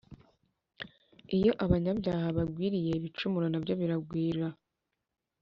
iyo abanyabyaha bagwiriye ibicumuro na byo biragwira